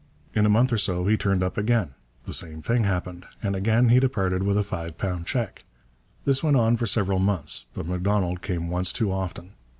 In a month or so he turned up again; the same thing happened, and again he departed with a five pound cheque. This went on for several months; but M'Donald came once too often.